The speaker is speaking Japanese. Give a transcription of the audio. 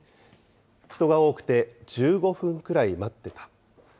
人が多くて、１５分くらい待ってた。